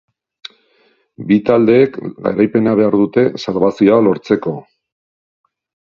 Bi taldeek garaipena behar dute salbazioa lortzeko.